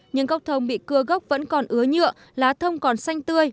nhưng góc thông bị cưa góc vẫn còn ứa nhựa lá thông còn xanh tươi